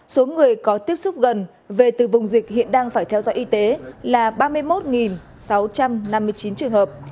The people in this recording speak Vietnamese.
số người có tiếp xúc gần về từ vùng dịch hiện đang phải theo dõi y tế là ba mươi một sáu trăm năm mươi chín trường hợp